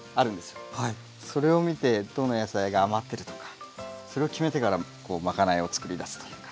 それを見てどの野菜が余ってるとかそれを決めてからまかないをつくりだすというか。